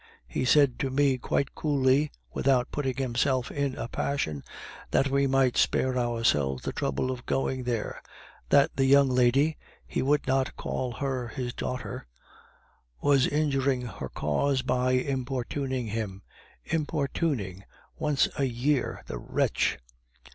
He said to me quite coolly, without putting himself in a passion, that we might spare ourselves the trouble of going there; that the young lady (he would not call her his daughter) was injuring her cause by importuning him (importuning! once a year, the wretch!)